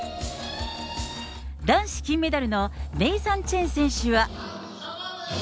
男子金メダルのネイサン・チェン選手は。